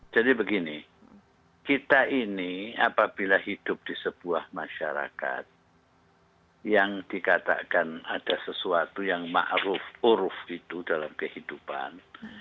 jadi begini kita ini apabila hidup di sebuah masyarakat yang dikatakan ada sesuatu yang ma'ruf uruf itu dalam kehidupan